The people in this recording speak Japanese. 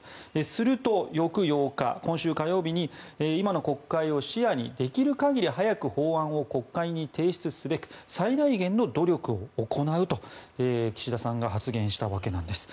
すると翌８日、今週火曜日に今の国会を視野にできる限り早く法案を国会に提出すべく最大限の努力を行うと岸田さんが発言したわけなんです。